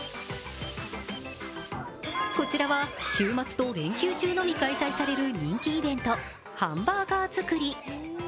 こちらは週末と連休中のみ開催される人気イベント、ハンバーガー作り。